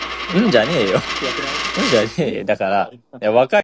The men helped them to gather acorns, nuts, and berries.